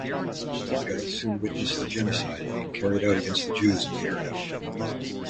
Plagge soon witnessed the genocide being carried out against the Jews of the area.